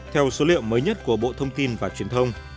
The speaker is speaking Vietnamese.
theo số liệu mới nhất của bộ thông tin và truyền thông